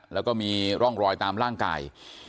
แล้วก็มีร่องรอยตามร่างกาย